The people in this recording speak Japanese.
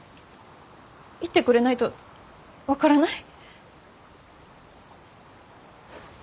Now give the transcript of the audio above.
言ってくれないと分からない。